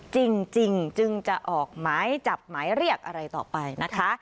จริงจึงจะออกหมายจับหมายเรียกอะไรต่อไปนะคะ